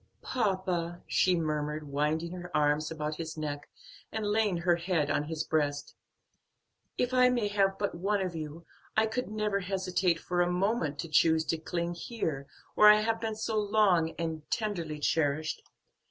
"Papa," she murmured, winding her arms about his neck, and laying her head on his breast, "if I may have but one of you, I could never hesitate for a moment to choose to cling here where I have been so long and tenderly cherished.